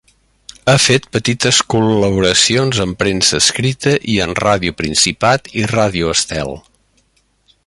Ha fet petites col·laboracions en premsa escrita i en Ràdio Principat i Ràdio Estel.